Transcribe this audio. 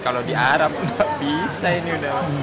kalau di arab enggak bisa ini udah